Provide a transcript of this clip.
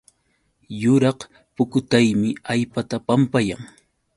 Yuraq pukutaymi allpata pampayan